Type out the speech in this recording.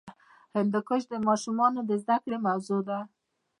هندوکش د ماشومانو د زده کړې موضوع ده.